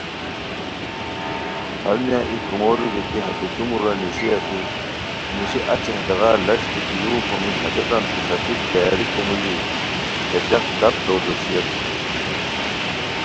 ہرونیہ ای کومورو گیتی ہتے چومورا نیشی اسور، نیشی اچی ہتیغار لش بیتی یو خومی ہتیتانتے ݰاپیک تیاریکو موژی ہے ڈاق ڈَپ تو دوسی اسور